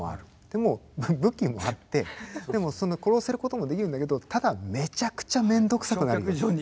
でも武器もあってでも殺せることもできるんだけどただめちゃくちゃめんどくさくなるよって。